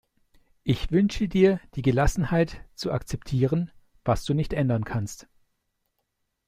Ich wünsche dir die Gelassenheit, zu akzeptieren, was du nicht ändern kannst.